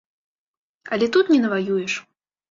Але тут не наваюеш.